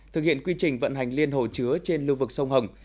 thực hiện quy trình vận hành liên hồ chứa trên lưu vực sông hồng